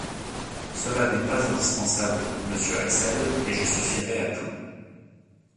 Cela n’est pas indispensable, monsieur Axel et je suffirai à tout...